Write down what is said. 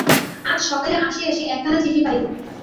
আজ সকালে আসিয়া সে একখানা চিঠি পাইল।